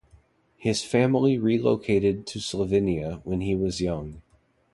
His family relocated to Slovenia when he was young.